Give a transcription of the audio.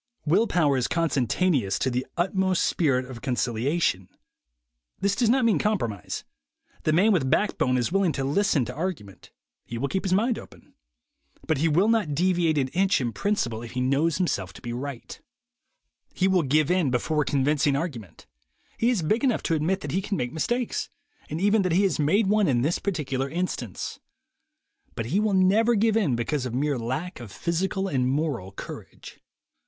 Will power is consentaneous to the utmost spirit of concilia tion. This does not mean compromise. The man with backbone is willing to listen to argument ; he will keep his mind open. But he will not deviate an inch in principle if he knows himself to be right. 156 THE WAY TO WILL POWER He will give in before convincing argument; he is big enough to admit that he can make mistakes, and even that he has made one in this particular instance. But he will never give in because of mere lack of physical and moral courage.